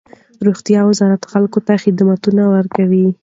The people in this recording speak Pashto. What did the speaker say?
روغتیا وزارت خلک ته خدمتونه ورکوي.